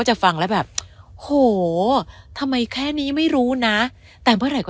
ฟังแล้วแบบโหทำไมแค่นี้ไม่รู้นะแต่เมื่อไหร่ก็